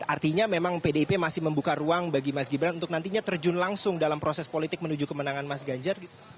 artinya memang pdip masih membuka ruang bagi mas gibran untuk nantinya terjun langsung dalam proses politik menuju kemenangan mas ganjar